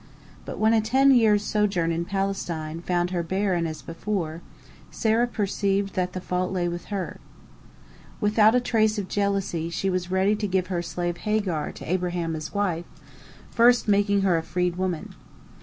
But when a ten years' sojourn in Palestine found her barren as before, Sarah perceived that the fault lay with her. Without a trace of jealousy she was ready to give her slave Hagar to Abraham as wife, first making her a freed woman.